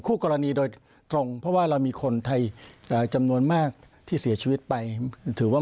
คู่กรณีโดยตรงเพราะว่าเรามีคนไทยจำนวนมากที่เสียชีวิตไปถือว่า